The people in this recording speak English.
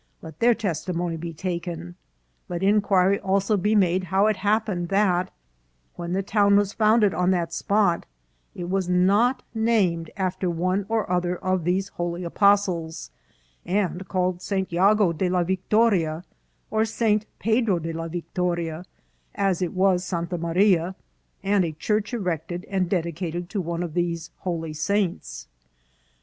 Let their testimony be taken. Let inquiry also be made how it happened that, when the town was founded on that spot, it was not named after one or other of these holy apostles, and called St. Jago de la Vittoria or St. Pedro de la Vittorfa, as it was Santa Maria, and a church erected and dedicated to one of these holy saints.